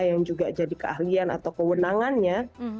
yang juga jadi keahlian atau kewenangannya